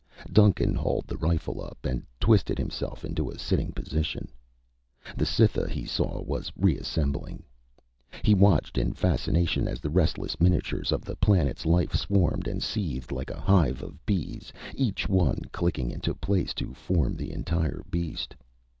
Duncan hauled the rifle up and twisted himself into a sitting position. The Cytha, he saw, was reassembling. He watched in fascination as the restless miniatures of the planet's life swarmed and seethed like a hive of bees, each one clicking into place to form the entire beast.